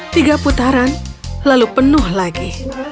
tiga putaran lalu penuh lagi